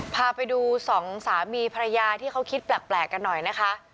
พาไปดูสองสามีภรรยาที่เขาคิดแปลกกันหน่อยนะคะ